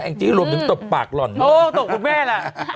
แอ้งจี้หลวมถึงตบปากหล่อนโอ้ตบลูกแม่ล่ะ